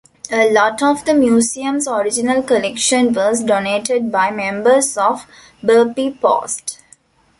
A lot of the museum's original collection was donated by members of Burpee Post.